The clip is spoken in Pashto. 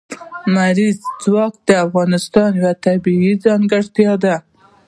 لمریز ځواک د افغانستان یوه طبیعي ځانګړتیا ده.